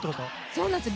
そうなんです。